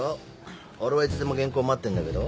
俺はいつでも原稿待ってんだけど？